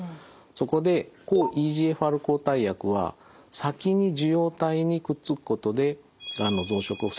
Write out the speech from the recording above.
そこで抗ＥＧＦＲ抗体薬は先に受容体にくっつくことでがんの増殖を防ぐ働きがあります。